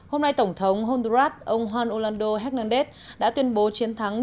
hôm nay tổng thống honduras ông juan orlando hernandez đã tuyên bố chiến thắng